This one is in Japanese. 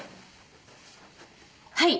はい。